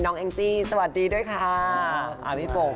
น้องแองจี้สวัสดีด้วยค่ะ